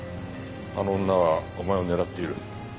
あの女はお前を狙っている。